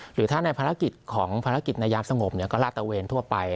หรือถ้าในภารกิจของภารกิจในยามสงบก็ลาดตะเวนทั่วไป